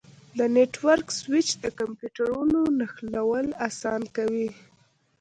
د نیټورک سویچ د کمپیوټرونو نښلول اسانه کوي.